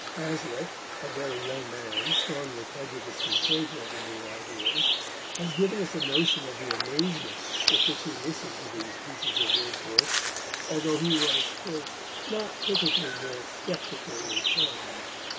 Hazlitt, a very young man, strongly prejudiced in favour of the new ideas, has given us a notion of the amazement with which he listened to these pieces of Wordsworth, although he was "not critically nor sceptically inclined."